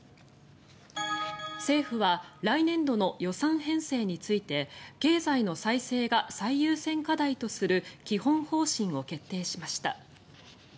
政府は来年度の予算編成について経済の再生が最優先課題とする基本方針を決定しました。